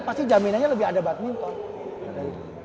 pasti jaminannya lebih ada badminton